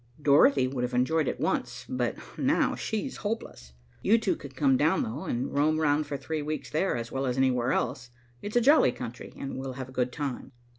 Dorothy would have enjoyed it once, but now she's hopeless. You two can come down, though, and roam round for three weeks there, as well as anywhere else. It's a jolly country, and we'll have a good time."